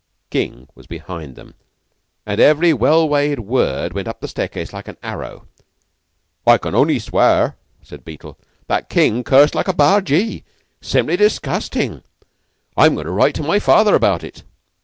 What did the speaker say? King was behind them, and every well weighed word went up the staircase like an arrow. "I can only swear," said Beetle, "that King cursed like a bargee. Simply disgustin'. I'm goin' to write to my father about it."